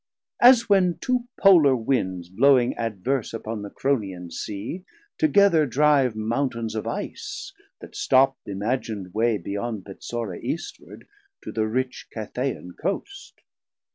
As when two Polar Winds blowing adverse Upon the Cronian Sea, together drive 290 Mountains of Ice, that stop th' imagin'd way Beyond Petsora Eastward, to the rich Cathaian Coast.